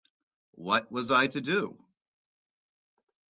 What was I to do?